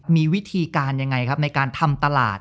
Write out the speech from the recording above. มีวิธีการยังไงครับในการทำตลาด